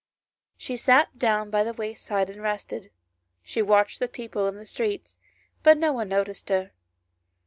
She sat down by the wayside and rested; she watched the people in the street, but no one noticed her.